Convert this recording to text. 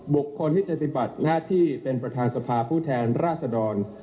บุคคลที่จะปฏิบัติหน้าที่เป็นประธานสภาผู้แทนราชดร